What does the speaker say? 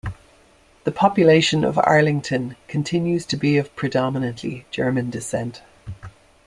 The population of Arlington continues to be of predominately German descent.